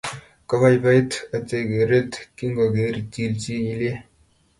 Kobaibait ochei geret kingogeer chilchilye